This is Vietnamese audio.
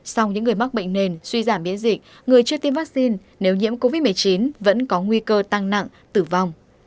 sau những người mắc bệnh nền suy giảm biến dịch người chưa tiêm vaccine nếu nhiễm covid một mươi chín vẫn có nguy cơ tăng nặng tử vong